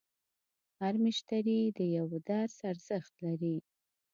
هر مشتری د یوه درس ارزښت لري.